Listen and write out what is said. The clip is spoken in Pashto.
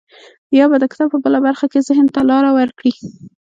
يا به د کتاب په بله برخه کې ذهن ته لاره وکړي.